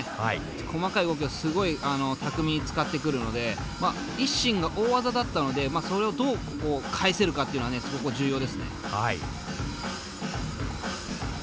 細かい動きをすごい巧みに使ってくるのでＩＳＳＩＮが大技だったのでそれをどう返せるかっていうのはそこ重要ですね。